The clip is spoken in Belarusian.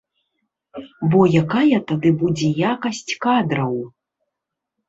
Бо якая тады будзе якасць кадраў?